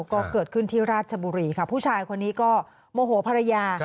ก็เกิดขึ้นที่ราชบุรีค่ะผู้ชายคนนี้ก็โมโหภรรยา